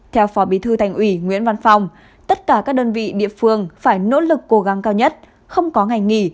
theo phó bí thư thành ủy nguyễn văn phong tất cả các đơn vị địa phương phải nỗ lực cố gắng cao nhất không có ngày nghỉ